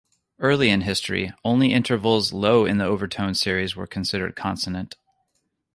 Early in history, only intervals low in the overtone series were considered consonant.